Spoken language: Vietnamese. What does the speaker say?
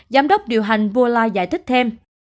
giám đốc điều hành vua loa giải thích thêm